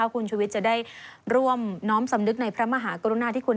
คุณชุวิตจะได้ร่วมน้อมสำนึกในพระมหากรุณาที่คุณ